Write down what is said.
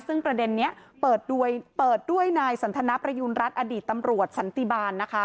ซึ่งประเด็นนี้เปิดด้วยเปิดด้วยนายสันทนประยูณรัฐอดีตตำรวจสันติบาลนะคะ